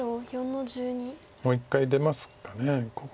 もう一回出ますか。